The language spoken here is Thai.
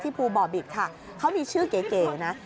ภูบ่อบิตค่ะเขามีชื่อเก๋นะ